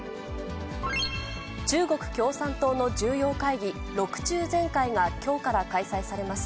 中国共産党の重要会議、６中全会がきょうから開催されます。